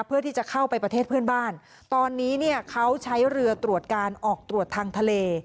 เพื่อที่จะเข้าไปประเทศเพื่อนบ้านตอนนี้เนี่ยเขาใช้เรือตรวจการออกตรวจทางทะเล